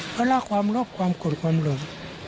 เพราะละความลบความกดความหล่ม